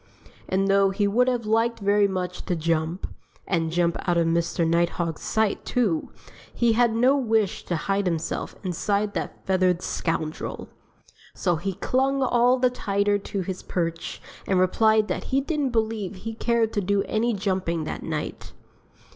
And though he would have liked very much to jump and jump out of Mr. Nighthawk's sight, too he had no wish to hide himself inside that feathered scoundrel. So he clung all the tighter to his perch and replied that he didn't believe he cared to do any jumping that night.